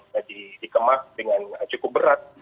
dikemas dengan cukup berat